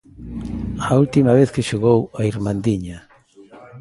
A última vez que xogou a irmandiña.